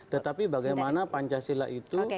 tetapi bagaimana pancasila itu